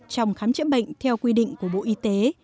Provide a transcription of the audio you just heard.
trong khám chữa bệnh theo quy định của bộ y tế